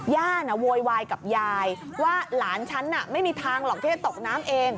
โวยวายกับยายว่าหลานฉันน่ะไม่มีทางหรอกที่จะตกน้ำเอง